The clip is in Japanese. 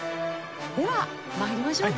では参りましょうか。